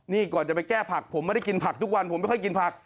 นี่ก่อนจะไปแก้ผักผมไม่ได้กินผักทุกวันผมไม่ค่อยกินผัก